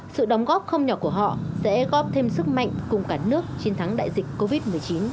sự đóng góp không nhỏ của họ sẽ góp thêm sức mạnh cùng cả nước chiến thắng đại dịch covid một mươi chín